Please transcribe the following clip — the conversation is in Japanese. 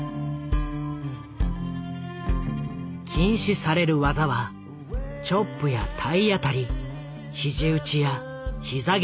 禁止される技はチョップや体当たりヒジ打ちやヒザ蹴りなど。